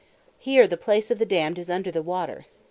Here the place of the Damned, is under the water.